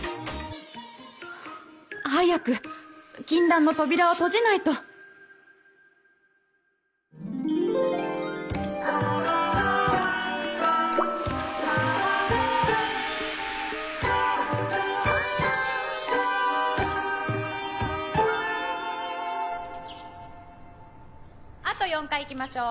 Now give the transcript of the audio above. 早く禁断の扉を閉じないと！あと４回いきましょう。